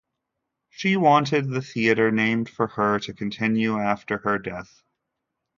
She wanted the Theatre named for her to continue after her death.